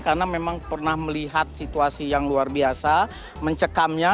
karena memang pernah melihat situasi yang luar biasa mencekamnya